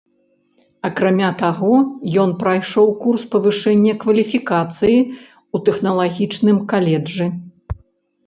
Акрамя таго, ён прайшоў курс павышэння кваліфікацыі ў тэхналагічным каледжы.